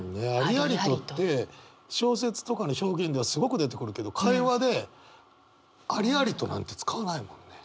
「ありありと」って小説とかの表現ではすごく出てくるけど会話で「ありありと」なんて使わないもんね。